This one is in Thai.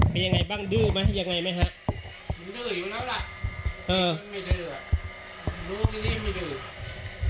มียังไงบ้างดื้อไหมยังไงไหมฮะมันดื้ออยู่แล้วล่ะเออไม่ดื้อ